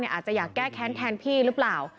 อาจจะอยากแก้แค้นแทนพี่หรือเปล่า